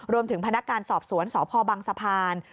รวมถึงพนักการณ์สอบสวนสพบังสะพาน